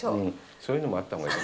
そういうのもあったほうがいい。